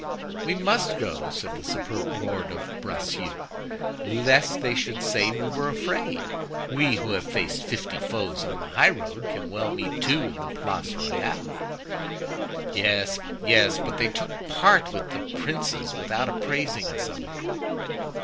"We must go," said the superb lord of Bracieux, "lest they should say we were afraid. We who have faced fifty foes on the high road can well meet two in the Place Royale." "Yes, yes, but they took part with the princes without apprising us of it.